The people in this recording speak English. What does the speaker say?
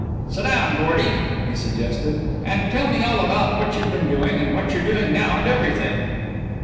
"Sit down, Gordy," he suggested, "and tell me all about what you've been doing and what you're doing now and everything."